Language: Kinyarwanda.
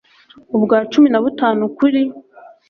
ubwa cumi na butanu kuri